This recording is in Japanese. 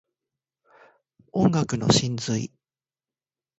音楽の真髄